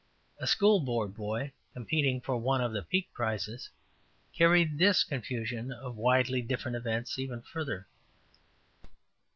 '' A School Board boy, competing for one of the Peek prizes, carried this confusion of widely different events even farther.